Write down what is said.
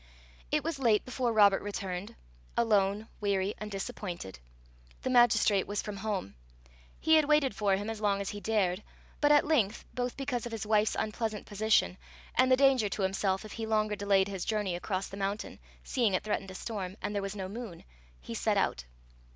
It was late before Robert returned alone, weary, and disappointed. The magistrate was from home; he had waited for him as long as he dared; but at length, both because of his wife's unpleasant position, and the danger to himself if he longer delayed his journey across the mountain, seeing it threatened a storm, and there was no moon, he set out.